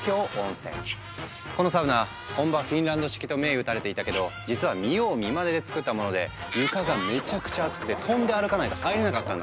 このサウナ本場フィンランド式と銘打たれていたけど実は見よう見まねで作ったもので床がめちゃくちゃアツくて跳んで歩かないと入れなかったんだって。